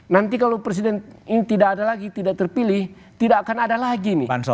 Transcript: nanti kalau presiden ini tidak ada lagi tidak terpilih tidak akan ada lagi nih